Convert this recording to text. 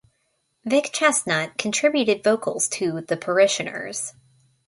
Vic Chesnutt contributed vocals to "The Parishioners".